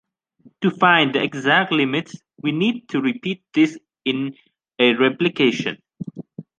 To find the exact limit, we need to repeat this in a replication.